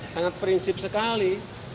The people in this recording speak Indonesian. sangat prinsip sekali